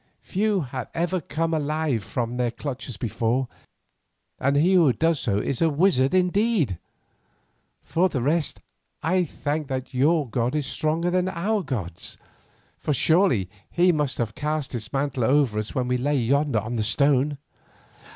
Few have ever come alive from their clutches before, and he who does so is a wizard indeed. For the rest I think that your God is stronger than our gods, for surely He must have cast His mantle over us when we lay yonder on the stone.